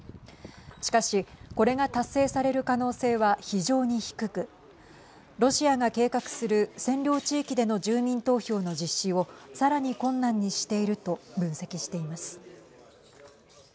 しかし、これが達成される可能性は非常に低くロシアが計画する占領地域での住民投票の実施をさらに困難にしていると分析しています。